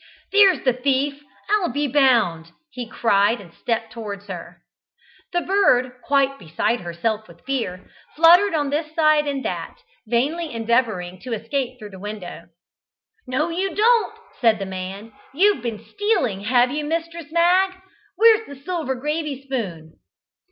"There's the thief, I'll be bound!" he cried, and stepped towards her. The bird, quite beside herself with fear, fluttered on this side and that, vainly endeavouring to escape through the window. "No you don't!" said the man. "You've been stealing, have you, Mistress Mag. Where's the silver gravy spoon?"